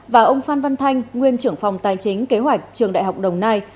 và ông phan văn thanh nguyên trưởng phòng tài chính kế hoạch trường đại học đồng nai